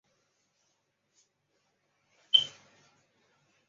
掌握数据的逻辑结构